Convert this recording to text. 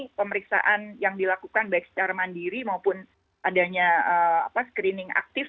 jadi pemeriksaan yang dilakukan baik secara mandiri maupun adanya screening aktif